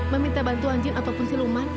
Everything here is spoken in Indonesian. meminta bantuan jin ataupun siluman